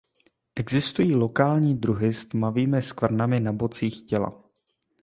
Existují lokální druhy s tmavými skvrnami na bocích těla.